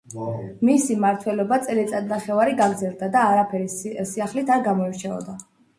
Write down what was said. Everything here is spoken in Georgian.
მისი მართველობა წელიწადნახევარი გაგრძელდა და არაფერი სიახლით არ გამოირჩეოდა.